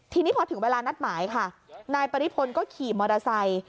ทีนี้พอถึงเวลานัดหมายค่ะนายปริพลก็ขี่มอเตอร์ไซค์